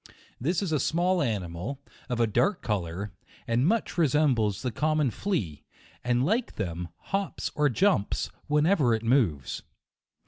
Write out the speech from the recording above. This is a small animal, of a dark colour, and much resembles the common flea, and like them, hops or jumps, whenever it moves.